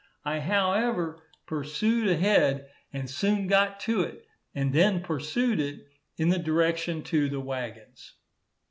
I however pushed ahead and soon got to it, and then pursued it, in the direction to the waggons.